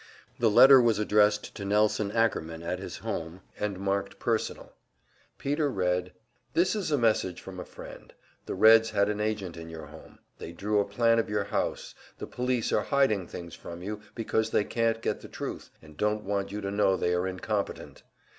The letter was addressed to Nelson Ackerman at his home, and marked "Personal." Peter read: "This is a message from a friend. The Reds had an agent in your home. They drew a plan of your house. The police are hiding things from you, because they can't get the truth, and don't want you to know they are incompetent.